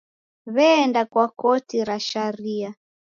W'eenda kwa koti ra sharia.